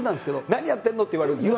「何やってんの！」って言われるでしょ。